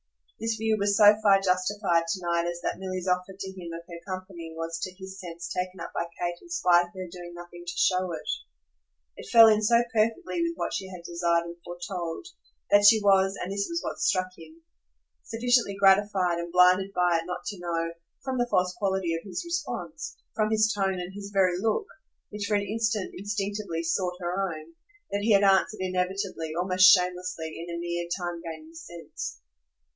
This view was so far justified to night as that Milly's offer to him of her company was to his sense taken up by Kate in spite of her doing nothing to show it. It fell in so perfectly with what she had desired and foretold that she was and this was what most struck him sufficiently gratified and blinded by it not to know, from the false quality of his response, from his tone and his very look, which for an instant instinctively sought her own, that he had answered inevitably, almost shamelessly, in a mere time gaining sense.